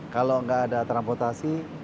kalau nggak ada transportasi